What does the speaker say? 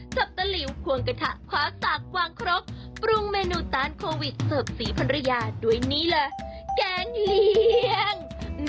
ตะหลิวควงกระทะคว้าตากวางครกปรุงเมนูตานโควิดเสิร์ฟสีภรรยาด้วยนี่เลยแกงเลี้ยง